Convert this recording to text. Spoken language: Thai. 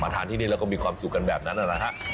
มาทานที่นี่เราก็มีความสุขกันแบบนั้นอะนะครับ